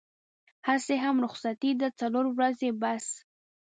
هسې هم رخصتي ده څلور ورځې بس.